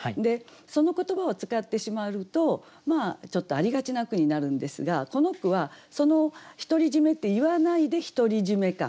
その言葉を使ってしまうとちょっとありがちな句になるんですがこの句は「独り占め」って言わないで独り占め感。